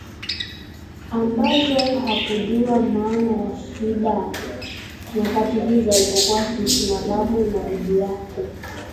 ambazo hakujua maana ya shida? Nyakati hizo alipokuwa akiishi na babu na bibi yake